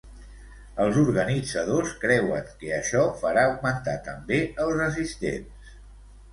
Els organitzadors creuen que això farà augmentar també els assistents.